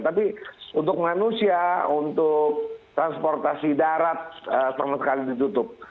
tapi untuk manusia untuk transportasi darat sama sekali ditutup